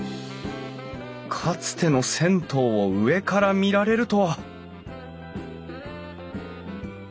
かつての銭湯を上から見られるとは！